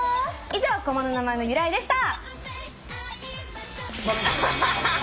以上駒の名前の由来でした！